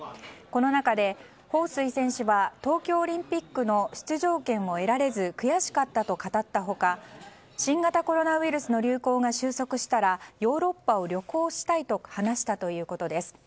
この中で、ホウ・スイ選手は東京オリンピックの出場権を得られず悔しかったと語った他新型コロナウイルスの流行が収束したらヨーロッパを旅行したいと話したということです。